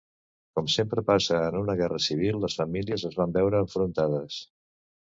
Com sempre passa en una guerra civil, les famílies es van veure enfrontades.